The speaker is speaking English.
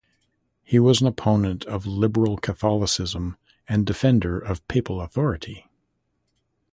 He was an opponent of Liberal Catholicism and defender of papal authority.